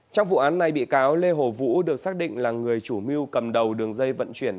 trong vụ án này bị cáo lê hồ vũ được xác định là người chủ mưu cầm đầu đường dây vận chuyển